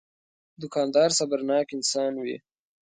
دوکاندار صبرناک انسان وي.